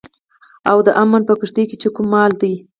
او د امن په کښتئ کې چې کوم مال دی